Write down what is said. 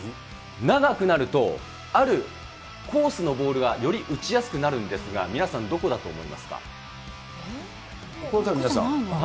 長くなると、あるコースのボールがより打ちやすくなるんですが、皆さん、どこだと思いますか？